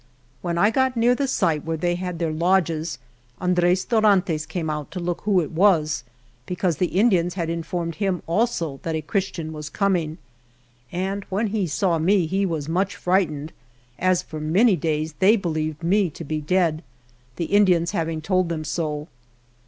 When I got near the site where they had their, lodges, Andres Dorantes came out to look who it was, because the Indians had informed him also that a Christian was com ing, and when he saw me he was much frightened, as for many days they believed me to be dead, the Indians having told them so.